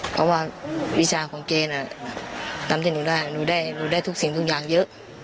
เพราะว่าวิชาของแกน่ะตามที่หนูได้หนูได้หนูได้ทุกสิ่งทุกอย่างเยอะ